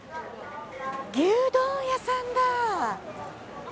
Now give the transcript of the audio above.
牛丼屋さんだ！